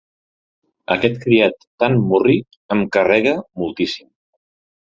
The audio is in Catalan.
Aquest criat tan murri em carrega moltíssim.